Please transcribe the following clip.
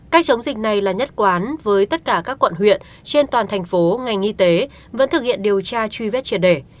cách chống dịch này là nhất quán với tất cả các quận huyện trên toàn thành phố ngành y tế vẫn thực hiện điều tra truy vết triệt để